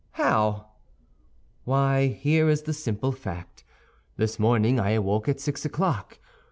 "How?" "Why, here is the simple fact. This morning I awoke at six o'clock.